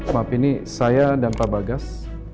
maaf ini saya dan pak bagas